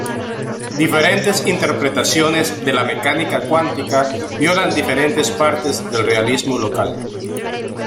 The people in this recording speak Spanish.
Diferentes interpretaciones de la mecánica cuántica violan diferentes partes del realismo local.